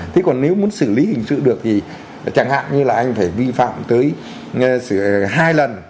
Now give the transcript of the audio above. thế còn nếu muốn xử lý hình sự được thì chẳng hạn như là anh phải vi phạm tới hai lần